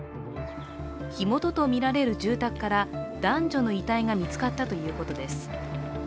火元と見られる住宅から男女の遺体が見つかったということです。